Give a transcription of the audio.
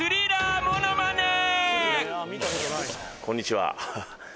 こんにちは。